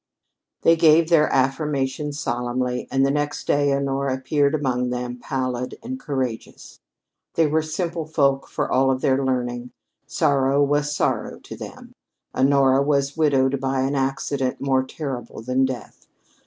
They gave their affirmation solemnly, and the next day Honora appeared among them, pallid and courageous. They were simple folk for all of their learning. Sorrow was sorrow to them. Honora was widowed by an accident more terrible than death.